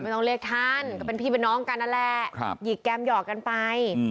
ต้องเรียกท่านก็เป็นพี่เป็นน้องกันนั่นแหละหยิกแกมหยอกกันไป